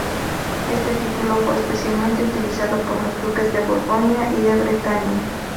Este título fue especialmente utilizado por los duques de Borgoña y de Bretaña.